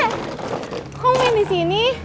kok kamu main di sini